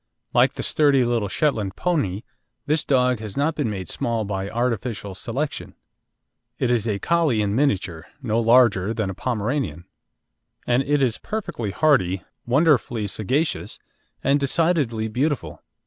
Like the sturdy little Shetland pony, this dog has not been made small by artificial selection. It is a Collie in miniature, no larger than a Pomeranian, and it is perfectly hardy, wonderfully sagacious, and decidedly beautiful.